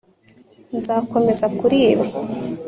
nzakomeza kuri ibi